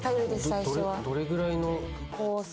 どれぐらいの？